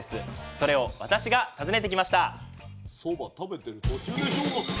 それを私が訪ねてきました。